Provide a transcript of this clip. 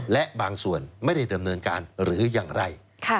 และบางส่วนไม่ได้ดำเนินการหรืออย่างไร